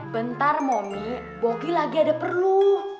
bentar momi boki lagi ada perlu